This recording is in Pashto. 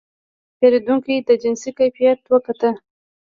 پیرودونکی د جنس کیفیت وکت.